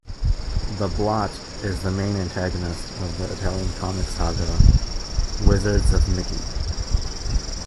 The Blot is the main antagonist of the Italian comic saga "Wizards of Mickey".